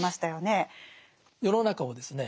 世の中をですね